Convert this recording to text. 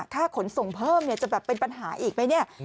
ค่าขนส่งเพิ่มจะเป็นปัญหาอีกไหม